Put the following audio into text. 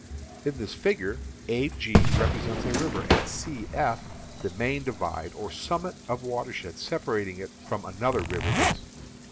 In this figure, AG represents a river, and CF the main divide or summit of watershed separating it from another river basin.